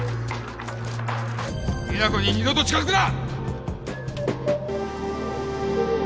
実那子に二度と近づくな！！